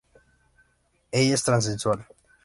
Ella es transexual.